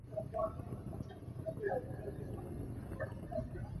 Bual Mang le Ngun Khen an i ṭhen.